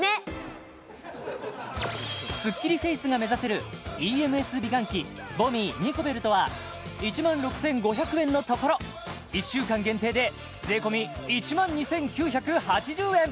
スッキリフェイスが目指せるＥＭＳ美顔器ＶＯＮＭＩＥニコベルトは１万６５００円のところ１週間限定で税込１万２９８０円